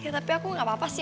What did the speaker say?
ya tapi aku nggak apa apa sih